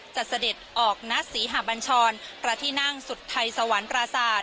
จะเสด็จออกนัทสิหะบัญชรประทิน่างสุธัยสะวันปราศาสตร์